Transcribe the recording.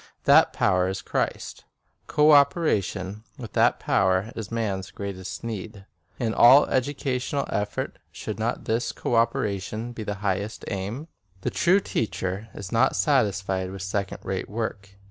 That power is Christ. Co operation with that power is man's greatest need. In all educational effort should not this co operation be the highest aim ? The true teacher is not satisfied with second rate work.